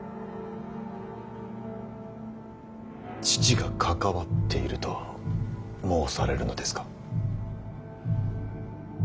父が関わっていると申されるのですか。